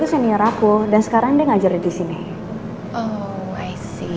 senior aku dan sekarang dia ngajarin di sini oh